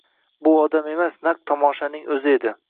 Bu odam emas naq tomoshaning o`zi edi